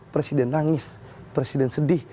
presiden nangis presiden sedih